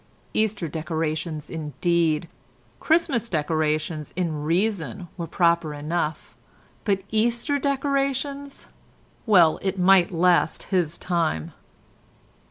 Easter decorations indeed! Christmas decorations—in reason—were proper enough, but Easter decorations! well, it might last his time.